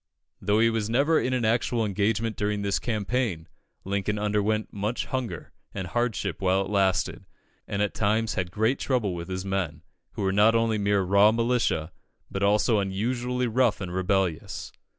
Though he was never in an actual engagement during this campaign, Lincoln underwent much hunger and hardship while it lasted, and at times had great trouble with his men, who were not only mere raw militia, but also unusually rough and rebellious.